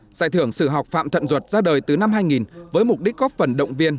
giải thưởng sự học phạm thận duật ra đời từ năm hai nghìn với mục đích góp phần động viên